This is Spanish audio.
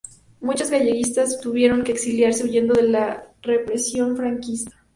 Muchos galleguistas tuvieron que exiliarse, huyendo de la represión franquista.